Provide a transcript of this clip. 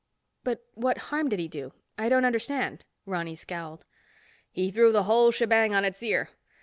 "But what harm did he do? I don't understand," Ronny scowled. "He threw the whole shebang on its ear.